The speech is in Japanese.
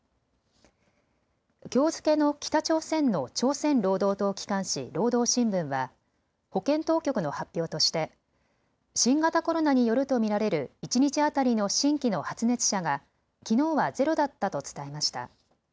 きょう付けの北朝鮮の朝鮮労働党機関紙、労働新聞は保健当局の発表として新型コロナによると見られる一日当たりの新規の発熱者がきのうはゼロだったと伝えました。